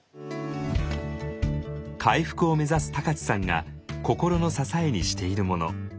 回復を目指す高知さんが心の支えにしているもの。